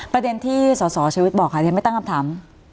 ประเด็นที่สอสอยชีวิตบอกค่ะที่ยังไม่ต้องอัพถาม